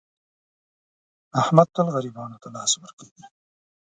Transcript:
احمد تل غریبانو ته لاس ور کوي.